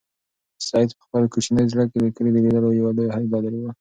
سعید په خپل کوچني زړه کې د کلي د لیدلو یوه لویه هیله درلوده.